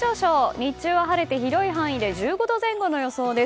日中は晴れて広い範囲で１５度前後の予想です。